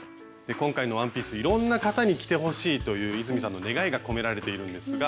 今回のワンピースいろんな方に着てほしいという泉さんの願いが込められているんですが。